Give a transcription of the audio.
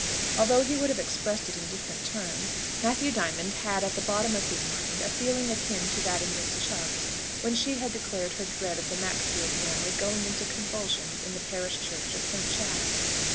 Although he would have expressed it in different terms, Matthew Diamond had at the bottom of his mind a feeling akin to that in Miss Chubb's, when she declared her dread of the Maxfield family "going into convulsions" in the parish church of St. Chad.